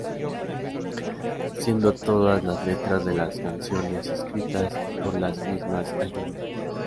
Siendo todas las letras de las canciones escritas por la misma Ayumi.